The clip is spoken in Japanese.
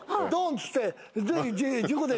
っつって。